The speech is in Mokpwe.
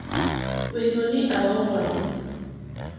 Hwɛ́wɔ́nì à ówàŋ.